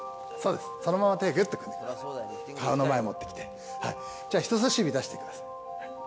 そのまま手をぐっと組んで顔の前に持ってきて、人さし指、出してください。